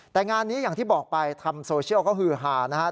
แต่งานนี้อย่างที่บอกไปทำโซเชียลเขาฮือหานะครับ